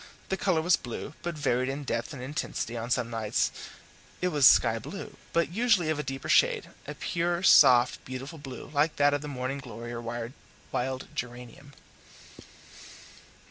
The colour was blue, but varied in depth and intensity; on some nights it was sky blue, but usually of a deeper shade, a pure, soft, beautiful blue like that of the morning glory or wild geranium.